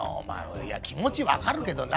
いや気持ちわかるけどな。